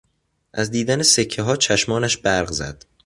از دیدن سکهها چشمانش برق زد.